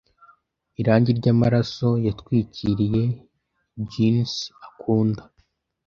irangi ryamaraso yatwikiriye jeans akunda,